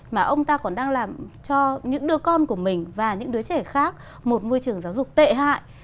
mà ông ta còn đang làm cho những đứa con của mình và những đứa trẻ khác một môi trường giáo dục tệ hại